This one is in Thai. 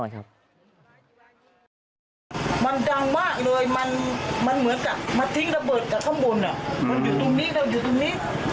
มันอยู่ตรงนี้มันอยู่ตรงนี้